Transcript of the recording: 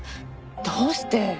どうして？